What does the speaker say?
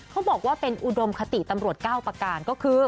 เขาบอกว่าเป็นอุดมคติตำรวจ๙ประการก็คือ